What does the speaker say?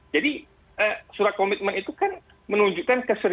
jadi surat komitmen itu kan menunjukkan kesedaran